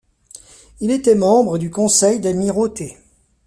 Il était membre du Conseil d'amirauté.